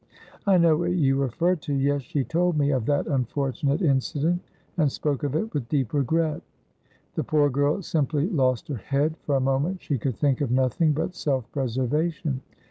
"I know what you refer to. Yes, she told me, of that unfortunate incident, and spoke of it with deep regret. The poor girl simply lost her head; for a moment she could think of nothing but self preservation.